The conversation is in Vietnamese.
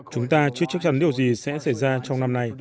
chúng ta chưa chắc chắn điều gì sẽ xảy ra trong năm nay